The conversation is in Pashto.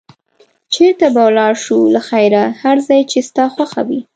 چېرته به ولاړ شو له خیره؟ هر ځای چې ستا خوښ وي.